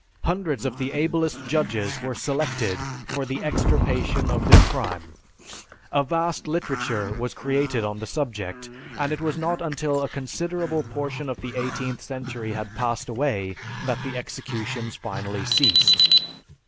Hundreds of the ablest judges were selected for the extirpation of this crime. A vast literature was created on the subject, and it was not until a considerable portion of the eighteenth century had passed away that the executions finally ceased.